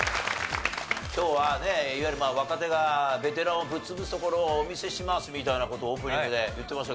今日はねいわゆる若手がベテランをぶっ潰すところをお見せしますみたいな事をオープニングで言ってましたけど。